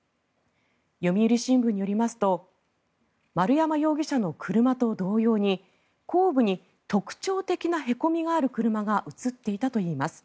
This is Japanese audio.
読売新聞によりますと丸山容疑者の車と同様に後部に特徴的なへこみがある車が映っていたといいます。